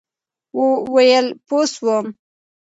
ویل بوه سوم.